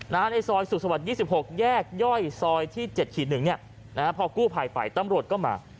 ในซอยสุขสวรรค์๒๖แยกย่อยซอยที่๗๑พอกู้ภัยไปตำรวจก็มา